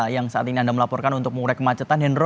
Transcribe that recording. yang saat ini anda melaporkan untuk mengurai kemacetan hendro